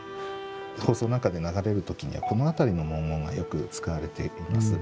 放送なんかで流れる時にはこの辺りの文言がよく使われています。